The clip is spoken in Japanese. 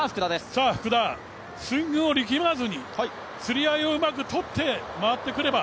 福田、スイングを力まずに釣り合いをうまく取って回ってくれば